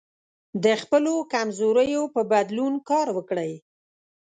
د خپلو کمزوریو په بدلون کار وکړئ.